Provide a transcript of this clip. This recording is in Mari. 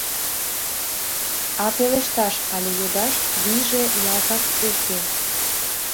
А пелешташ але йодаш вийже ялтак уке.